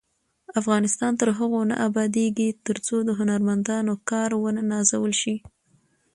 افغانستان تر هغو نه ابادیږي، ترڅو د هنرمندانو کار ونه نازول شي.